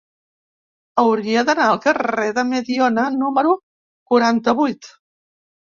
Hauria d'anar al carrer de Mediona número quaranta-vuit.